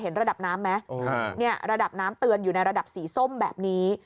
ระดับน้ำไหมระดับน้ำเตือนอยู่ในระดับสีส้มแบบนี้